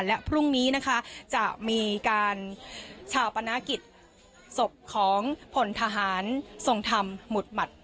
และพรุ่งนี้นะคะจะมีการชาปนากิจศพของผลทหารทรงธรรมหมุดหมัด